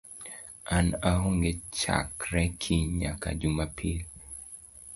An aonge chakre kiny nyaka Jumapil